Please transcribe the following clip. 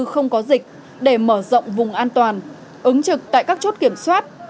không có dịch để mở rộng vùng an toàn ứng trực tại các chốt kiểm soát